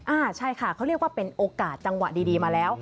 อ่าใช่ค่ะเขาเรียกว่าเป็นโอกาสจังหวะดีมาแล้ว